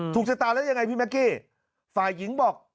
ชะตาแล้วยังไงพี่แก๊กกี้ฝ่ายหญิงบอก